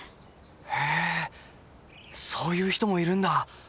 へえそういう人もいるんだ。